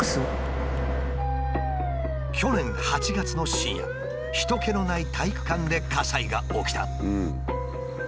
去年８月の深夜人けのない体育館で火災が起きた。